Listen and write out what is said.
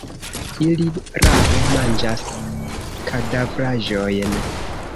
Ili rare manĝas kadavraĵojn.